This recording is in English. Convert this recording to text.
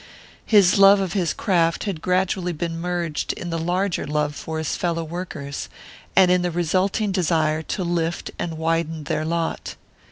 His love of his craft had gradually been merged in the larger love for his fellow workers, and in the resulting desire to lift and widen their lot.